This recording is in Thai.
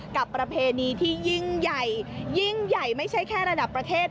กับประเพณีที่ยิ่งใหญ่ไม่ใช่แค่ระดับประเทศ